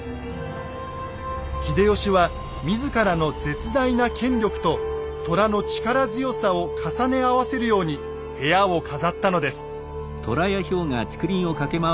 秀吉は自らの絶大な権力と虎の力強さを重ね合わせるように部屋を飾ったのです。